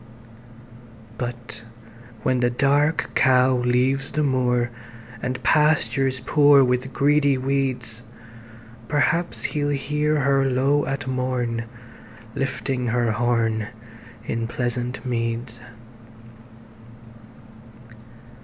But when the Dark Cow leaves the moor, And pastures poor with greedy weeds, Perhaps he'll hear her low at morn, Lifting her horn in pleasant meads.